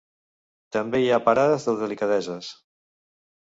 També hi ha parades de delicadeses.